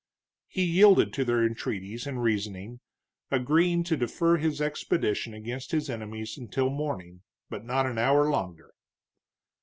He yielded to their entreaties and reasoning, agreeing to defer his expedition against his enemies until morning, but not an hour longer.